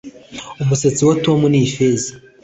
Umusatsi wa Tom ni feza